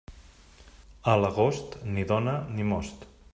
A l'agost, ni dona ni most.